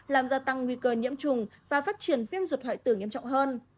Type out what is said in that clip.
làm gia tăng nguy cơ nhiễm trùng và phát triển viêm ruột hoại tử nghiêm trọng hơn